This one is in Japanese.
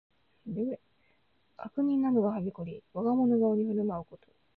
悪人などがはびこり、我がもの顔に振る舞うこと。